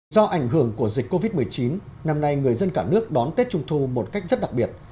do ảnh hưởng của dịch covid một mươi chín năm nay người dân cả nước đón tết trung thu một cách rất đặc biệt